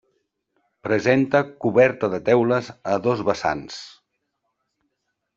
Presenta coberta de teules a dos vessants.